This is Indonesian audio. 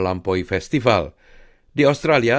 maka itu akan berharga